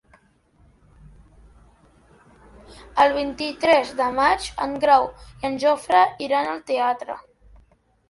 El vint-i-tres de maig en Grau i en Jofre iran al teatre.